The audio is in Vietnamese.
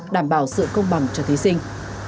đảm bảo sự công bằng cho thí sinh